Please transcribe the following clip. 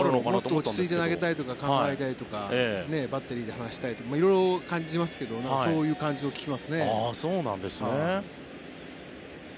もっと落ち着いて考えたいとかバッテリーで話したいとか色々感じますけどそういう感じを聞きますね。